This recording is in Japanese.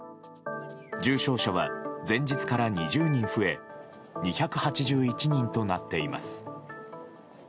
重症者は前日から２０人増え２８１人となっています。